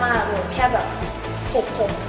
ง่ายมากแค่แบบผูกผม